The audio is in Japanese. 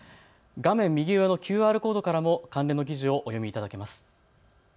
画面右上のＱＲコードからも関連の記事をお読みいただけます。